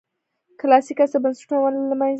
کلاسیک عصر بنسټونه ولې له منځه لاړل.